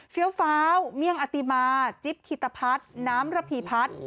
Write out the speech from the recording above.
เฟี้ยวฟ้าวเมี่ยงอติมาจิ๊บขิตะพัดน้ำระผีพัด